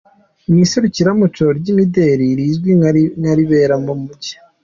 Mu iserukiramuco ry’imideli rizwi nka ribera mu Mujyi.